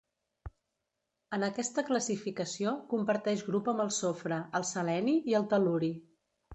En aquesta classificació comparteix grup amb el sofre, el seleni i el tel·luri.